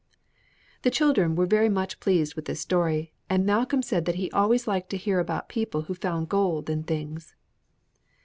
The children were very much pleased with this story, and Malcolm said that he always liked to hear about people who found gold and things.